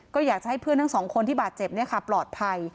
ก็อยากจะให้เพื่อนทั้งสองคนที่บาดเจ็บปลอดภัย